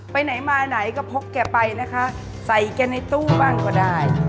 ไปไหนมาไหนก็พกแกไปนะคะใส่แกในตู้บ้างก็ได้